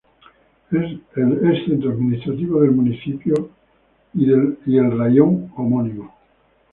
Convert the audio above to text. Es centro administrativo del municipio y el raión homónimo.